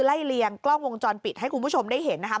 เลียงกล้องวงจรปิดให้คุณผู้ชมได้เห็นนะคะ